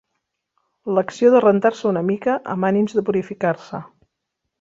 L'acció de rentar-se una mica amb ànims de purificar-se.